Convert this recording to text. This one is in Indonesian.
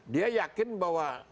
dia yakin bahwa